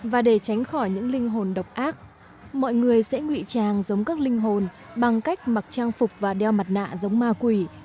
và để tránh khỏi những linh hồn độc ác mọi người sẽ ngụy trang giống các linh hồn bằng cách mặc trang phục và đeo mặt nạ giống ma quỷ